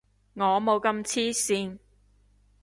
我冇咁黐線